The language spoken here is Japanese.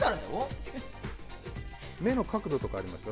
目の角度とかありますか？